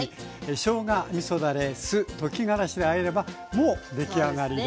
しょうがみそだれ・酢溶きがらしであえればもう出来上がりです。